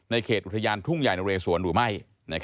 ในเขตอุทยานทุ่งใหญ่นรสวนดูไหม